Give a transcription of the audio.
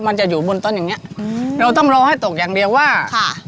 มันจะอยู่บนต้นอย่างเงี้อืมเราต้องรอให้ตกอย่างเดียวว่าค่ะ